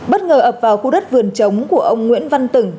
bất ngờ ập vào khu đất vườn chống của ông nguyễn văn tửng